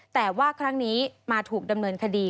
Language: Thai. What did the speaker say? แต่ว่าครั้งนี้มาถูกดำเนินคดี